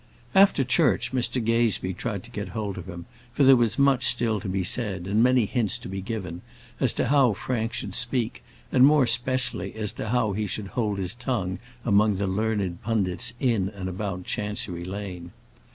After church, Mr Gazebee tried to get hold of him, for there was much still to be said, and many hints to be given, as to how Frank should speak, and, more especially, as to how he should hold his tongue among the learned pundits in and about Chancery Lane.